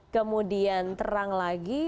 kemudian terang lagi